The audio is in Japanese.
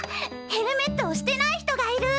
ヘルメットをしてない人がいる！